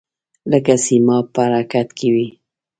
لکه سیماب په حرکت کې وي.